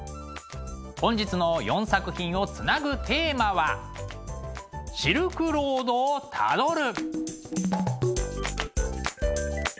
本日の４作品をつなぐテーマは「シルクロードをたどる」。